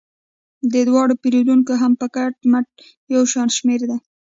د دواړو پیرودونکي هم په کټ مټ یو شان شمیر دي.